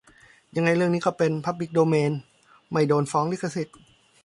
ยังไงเรื่องนี้ก็เป็นพับลิกโดเมน ไม่โดนฟ้องลิขสิทธิ์